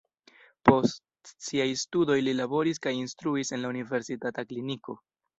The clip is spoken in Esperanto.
Post siaj studoj li laboris kaj instruis en la universitata kliniko.